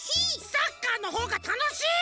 サッカーのほうがたのしい！